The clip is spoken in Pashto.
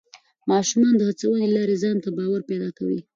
ماشومان د هڅونې له لارې ځان ته باور پیدا کوي